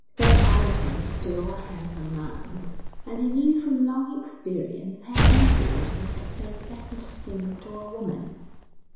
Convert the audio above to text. Fred Allerton was still a handsome man, and he knew from long experience how easy it was to say pleasant things to a woman.